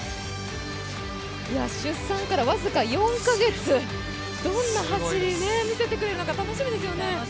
出産から僅か４か月どんな走り見せてくれるのか楽しみですよね。